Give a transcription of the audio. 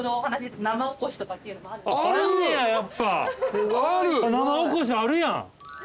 生おこしあるやん。